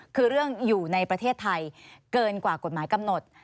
คือเรื่องอยู่ในประเทศไทยเกินกว่ากฎหมายกำหนด